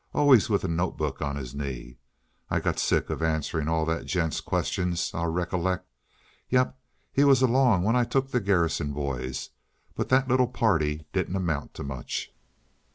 Always with a notebook on his knee. I got sick of answering all that gent's questions, I recollect. Yep, he was along when I took the Garrison boys, but that little party didn't amount to much."